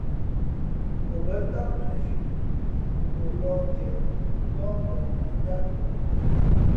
Ǒ bά ndát mʉ̄ᾱnzhi o lα̌h keꞌ, ndάh ndak tᾱ ndát.